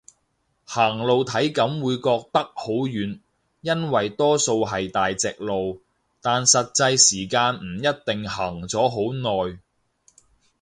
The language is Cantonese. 行路體感會覺得好遠，因為多數係大直路，但實際時間唔一定行咗好耐